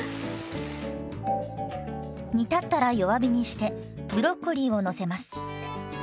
煮立ったら弱火にしてブロッコリーをのせます。